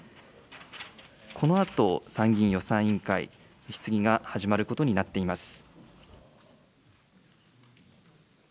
このあと、参議院予算委員会、質疑が始まることになっています。